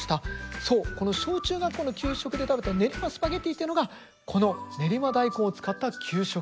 そうこの小中学校の給食で食べた練馬スパゲティってのがこの練馬大根を使った給食。